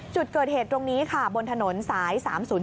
จุดเกิดเหตุตรงนี้ค่ะบนถนนสาย๓๐๔